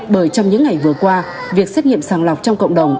bởi trong những ngày vừa qua việc xét nghiệm sàng lọc trong cộng đồng